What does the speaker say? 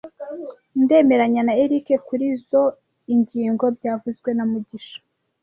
Ndemeranya na Eric kurizoi ngingo byavuzwe na mugisha